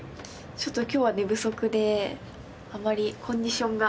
ちょっと今日は寝不足であまりコンディションが。